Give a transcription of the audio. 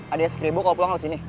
adanya rp satu kalau pulang harus ini